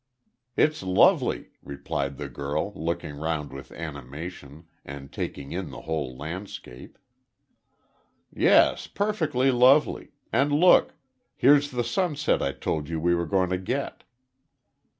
"It's lovely," replied the girl looking round with animation, and taking in the whole landscape. "Yes, perfectly lovely. And look. Here's the sunset I told you we were going to get."